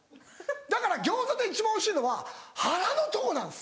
だから餃子で一番おいしいのは腹のとこなんです。